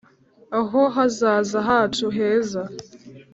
Aho hazaza hacu heza